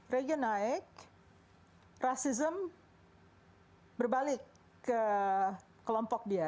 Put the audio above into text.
region naik rasism berbalik ke kelompok dia